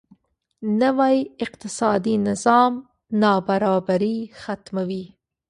نوی اقتصادي نظام نابرابري ختموي.